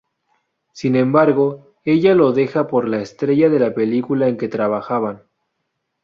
Sin embargo, ella lo deja por la estrella de la película en que trabajaban.